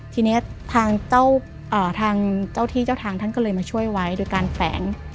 ทีนี้ทางเจ้าที่เจ้าทางท่านก็เลยมาช่วยไว้โดยการแฝง